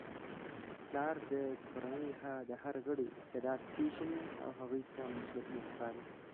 پلار د کورنی د هر غړي استعداد پیژني او هغوی ته مسؤلیتونه سپاري.